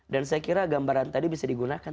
dan saya kira gambaran tadi bisa digunakan